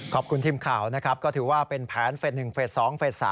ขอบคุณทีมข่าวนะครับก็ถือว่าเป็นแผนเฟส๑เฟส๒เฟส๓